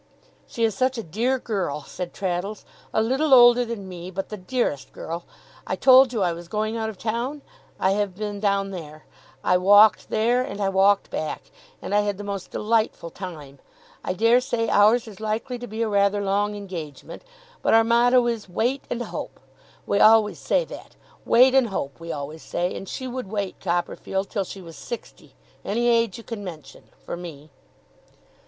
'She is such a dear girl!' said Traddles; 'a little older than me, but the dearest girl! I told you I was going out of town? I have been down there. I walked there, and I walked back, and I had the most delightful time! I dare say ours is likely to be a rather long engagement, but our motto is "Wait and hope!" We always say that. "Wait and hope," we always say. And she would wait, Copperfield, till she was sixty any age you can mention for me!